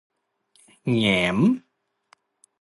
แหงม